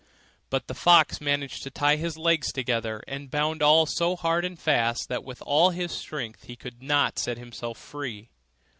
But the fox managed to tie his legs together and bound all so hard and fast that with all his strength he could not set himself free.